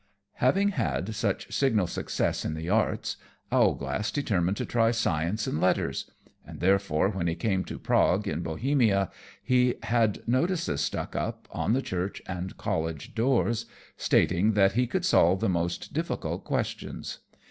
_ Having had such signal success in the arts, Owlglass determined to try science and letters; and therefore, when he came to Prague, in Bohemia, he had notices stuck up, on the church and college doors, stating that he could solve the most difficult questions.